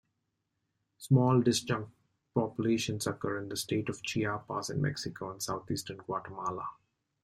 Small disjunct populations occur in the state of Chiapas in Mexico and southeastern Guatemala.